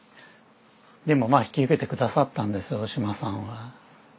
でもまあ引き受けて下さったんですよ大島さんは。